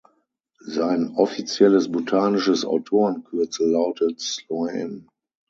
Sein offizielles botanisches Autorenkürzel lautet „Sloane“.